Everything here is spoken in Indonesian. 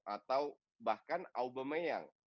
atau bahkan aubameyang